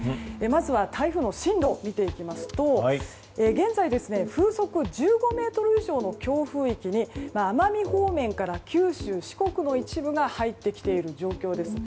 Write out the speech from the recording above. まずは台風の進路を見ていきますと現在、風速１５メートル以上の強風域に奄美方面から九州四国の一部が入ってきている状況です。